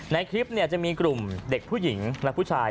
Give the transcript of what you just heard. ในคลิปจะมีกลุ่มเด็กผู้หญิงและผู้ชาย